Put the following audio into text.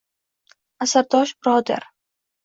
asrdosh birodar!